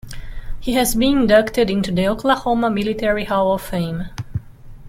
He has been inducted into the Oklahoma Military Hall of Fame.